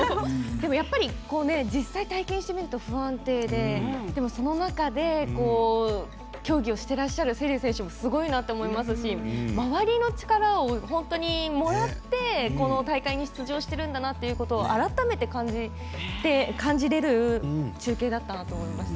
やっぱり、実際に体験してみると不安定で、その中で競技をしてらっしゃる瀬立選手もすごいなと思いますし周りの力を本当にもらってこの大会に出場しているんだなということを改めて感じれる中継だったなと思いました。